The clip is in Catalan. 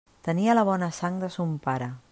Tenia la bona sang de son pare.